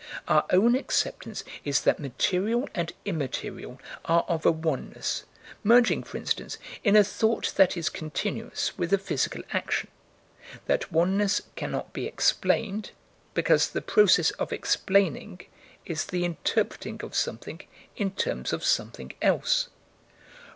Our own acceptance is that material and immaterial are of a oneness, merging, for instance, in a thought that is continuous with a physical action: that oneness cannot be explained, because the process of explaining is the interpreting of something in terms of something else.